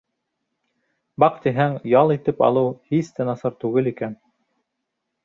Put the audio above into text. Баҡтиһәң, ял итеп алыу һис тә насар түгел икән.